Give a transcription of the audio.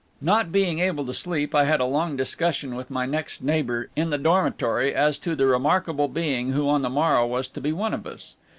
Not being able to sleep, I had a long discussion with my next neighbor in the dormitory as to the remarkable being who on the morrow was to be one of us.